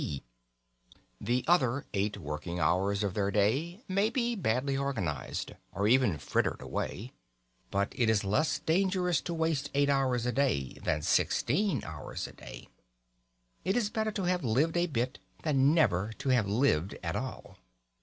p." The other eight working hours of their day may be badly organised, or even frittered away; but it is less disastrous to waste eight hours a day than sixteen hours a day; it is better to have lived a bit than never to have lived at all.